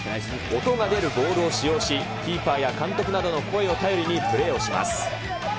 音が出るボールを使用し、キーパーや監督などの声を頼りにプレーをします。